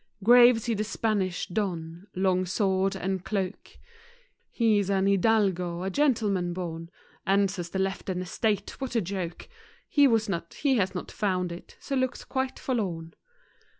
Grave see the Spanish don, long sword and cloak. He's an hidalgo , a gentleman born : Ancestors left an estate, what a joke! He has not found it, so looks quite forlorn.